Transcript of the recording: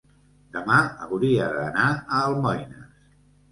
Demà hauria d'anar a Almoines.